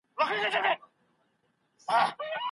د هغه مشهور کتاب فاضله ښار نومیږي.